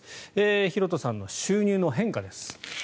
ヒロトさんの収入の変化です。